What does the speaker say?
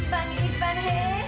bang ipran hei